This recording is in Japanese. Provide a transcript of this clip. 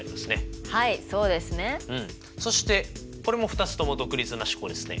そしてこれも２つとも独立な試行ですね。